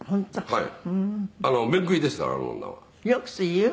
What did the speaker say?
「はい」